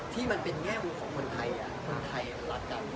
ที่มันเป็นแง่มุมของคนไทยคนไทยรักกัน